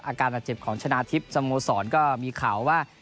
อาการบาดเจ็บของชนะทิพย์สโมสรก็มีข่าวว่า